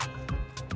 terima kasih mas